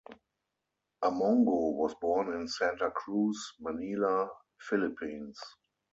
Amongo was born in Santa Cruz, Manila, Philippines.